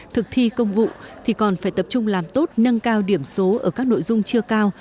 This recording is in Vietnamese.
thực thi công vụ thì còn phải tập trung làm tốt nâng cao điểm số ở các nội dung chưa cao